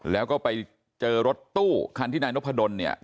แล้วก็ไปเจอรถตู้คันที่นายนพดลเนี่ย